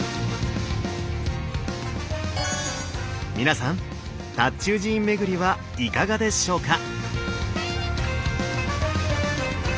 皆さん塔頭寺院巡りはいかがでしょうか。